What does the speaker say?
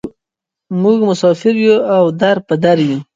موږ مسافر یوو او در په در یوو.